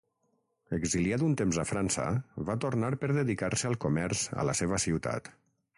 Exiliat un temps a França, va tornar per dedicar-se al comerç a la seva ciutat.